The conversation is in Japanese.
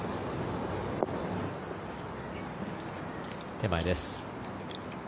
手前です。